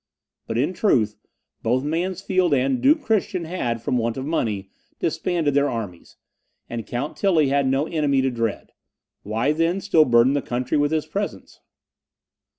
But, in truth, both Mansfeld and Duke Christian had, from want of money, disbanded their armies, and Count Tilly had no enemy to dread. Why, then, still burden the country with his presence?